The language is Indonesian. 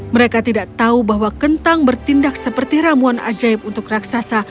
mereka tidak tahu bahwa kentang bertindak seperti ramuan ajaib untuk raksasa